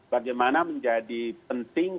bagaimana menjadi penting